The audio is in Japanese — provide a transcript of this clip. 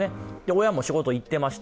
親も仕事行っていました。